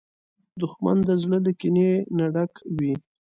دښمن د زړه له کینې نه ډک وي